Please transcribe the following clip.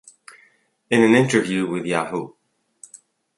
In an interview with Yahoo!